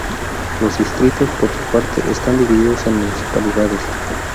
Los distritos, por su parte, están divididos en municipalidades.